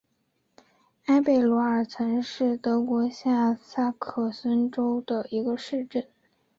埃贝罗尔岑是德国下萨克森州的一个市镇。